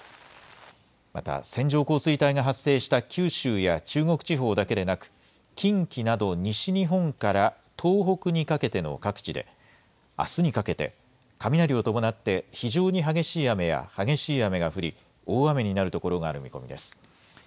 また線状降水帯が発生した九州や中国地方だけでなく近畿など西日本から東北にかけての各地であすにかけて雷を伴って非常に激しい雨や激しい雨が降り大雨になるところがある見込みです。